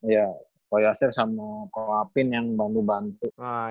ya ko yosef sama ko apin yang bantu bantu